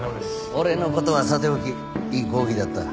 俺のことはさておきいい講義だった。